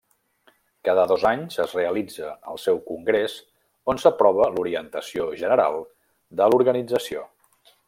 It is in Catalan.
Cada dos anys es realitza el seu congrés on s'aprova l'orientació general de l'organització.